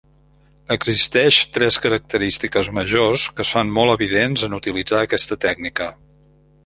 Existeix tres característiques majors que es fan molt evidents en utilitzar aquesta tècnica.